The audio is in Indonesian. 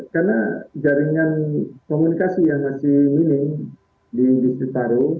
karena jaringan komunikasi yang masih winning di distrik parung